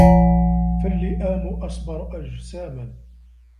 فَاللِّئَامُ أَصْبَرُ أَجْسَامًا